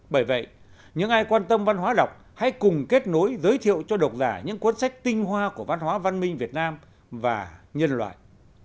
bởi vậy những ai quan tâm văn hóa đọc hãy cùng kết nối giới thiệu cho độc giả những cuốn sách tinh hoa của văn hóa văn minh việt nam và nhân loại